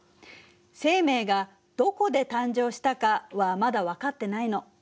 生命がどこで誕生したかはまだ分かってないの。